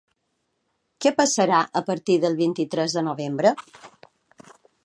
Què passarà a partir del vint-i-tres de novembre?